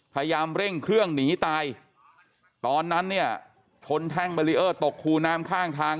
พยายามเร่งเครื่องหนีตายตอนนั้นเนี่ยชนแท่งเบรีเออร์ตกคูน้ำข้างทาง